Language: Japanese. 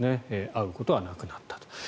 会うことはなくなったと。